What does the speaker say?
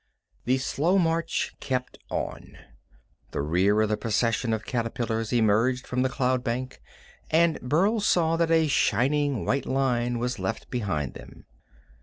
The slow march kept on. The rear of the procession of caterpillars emerged from the cloud bank, and Burl saw that a shining white line was left behind them.